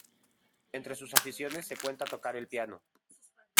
Entre sus aficiones se cuenta tocar el piano.